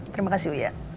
terima kasih uya